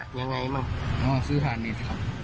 ค่อยขับรถตามมาจัดรอในเมืองแบบนั้น